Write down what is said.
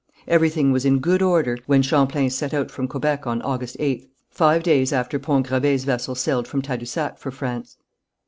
Everything was in good order when Champlain set out from Quebec on August 8th, five days after Pont Gravé's vessel sailed from Tadousac for France.